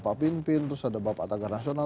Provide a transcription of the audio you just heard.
pak pimpin terus ada bapak atta garnazional